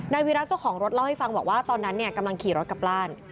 วิรัติเจ้าของรถเล่าให้ฟังบอกว่าตอนนั้นกำลังขี่รถกลับบ้าน